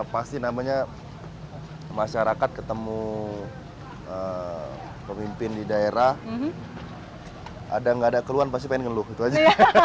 pasti namanya masyarakat ketemu pemimpin di daerah ada nggak ada keluhan pasti pengen ngeluh gitu aja